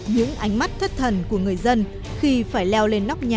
những ánh mắt thất thần của người dân khi phải leo lên nóc nhà